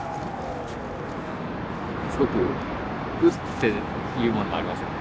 すごくウッていうもんがありますよね。